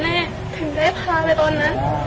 ถึงได้พาไปตอนนั้น